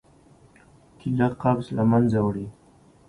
کېله قبض له منځه وړي.